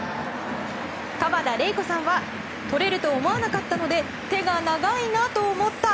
河田怜子さんはとれると思わなかったので手が長いなと思った。